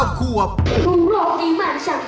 ทุกโลกนี้มันชัดหกนาย